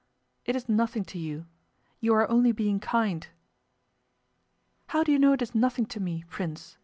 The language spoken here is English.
'It is nothing to you. You are only being kind.' 'How do you know it is nothing to me, Prince?